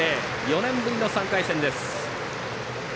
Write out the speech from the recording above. ４年ぶりの３回戦です。